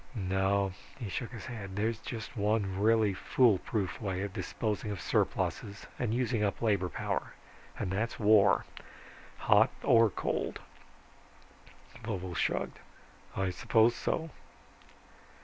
No," he shook his head, "there's just one really foolproof way of disposing of surpluses and using up labor power and that's war hot or cold." Vovo shrugged, "I suppose so."